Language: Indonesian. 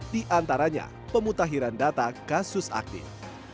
di antaranya pemutahiran data kasus aktif